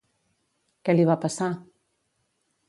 Què li va passar?